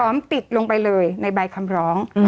พร้อมติดลงไปเลยในใบคำร้องอืม